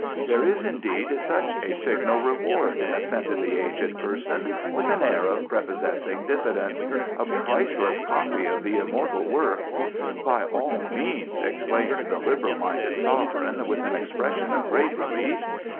"There is indeed such a signal reward," assented the aged person, with an air of prepossessing diffidence. "A priceless copy of the immortal work " "By all means," exclaimed the liberal minded Sovereign, with an expression of great relief.